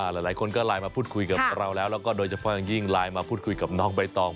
หลายคนก็ไลน์มาพูดคุยกับเราแล้วแล้วก็โดยเฉพาะอย่างยิ่งไลน์มาพูดคุยกับน้องใบตอง